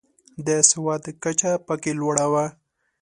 د سواد کچه پکې لوړه وه.